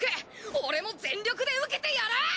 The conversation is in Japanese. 俺も全力で受けてやらぁ！